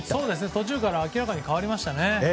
途中から明らかに変わりましたね。